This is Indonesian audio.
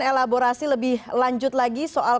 elaborasi lebih lanjut lagi soal